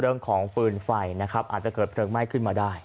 ฟืนไฟนะครับอาจจะเกิดเพลิงไหม้ขึ้นมาได้